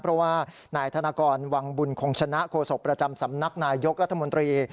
เพราะว่านายธนกรวังบุญคงชนะโฆษกประจำสำนักนายยกรัฐมนตรี